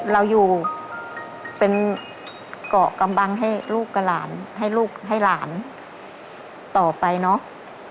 เราอยู่เป็นเกาะกำบังให้ลูกกับหลานให้ลูกให้หลานต่อไปเนาะ